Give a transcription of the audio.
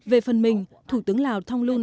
về phần mình thủ tướng lào tonglun